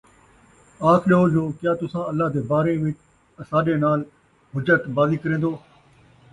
آکھ ݙیو، جو کیا تُساں اللہ دے بارے وِچ اَساݙے نال حجّت بازی کریندو؟